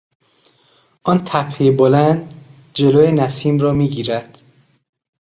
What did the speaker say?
آن تپهی بلند جلو نسیم را میگیرد.